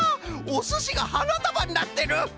おすしがはなたばになってる！